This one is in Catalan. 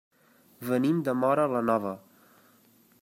Venim de Móra la Nova.